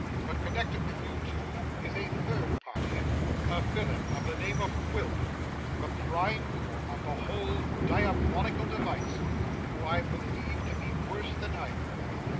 But connected with you two is a third party, a villain of the name of Quilp, the prime mover of the whole diabolical device, who I believe to be worse than either.